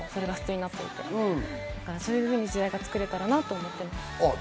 そういうふうに時代が作れたらなと思います。